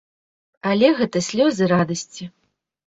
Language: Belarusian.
Але гэта слёзы радасці.